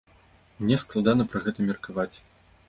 Мне складана пра гэта меркаваць.